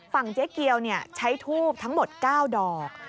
เจ๊เกียวใช้ทูบทั้งหมด๙ดอก